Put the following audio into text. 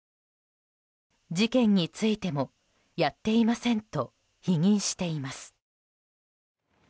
事件についてもやっていませんと否認しています。